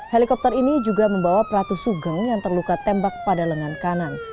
helikopter ini juga membawa pratu sugeng yang terluka tembak pada lengan kanan